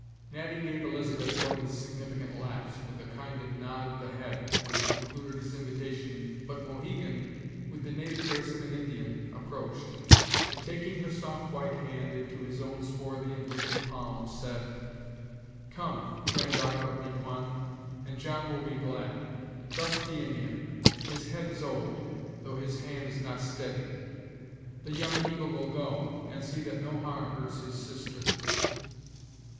Natty gave Elizabeth one of his significant laughs, with a kind nod of the head, when he concluded his invitation but Mohegan, with the native grace of an Indian, approached, and taking her soft white hand into his own swarthy and wrinkled palm, said: "Come, granddaughter of Miquon, and John will be glad. Trust the Indian; his head is old, though his hand is not steady. The Young Eagle will go, and see that no harm hurts his sister."